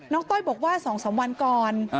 ต้อยบอกว่า๒๓วันก่อน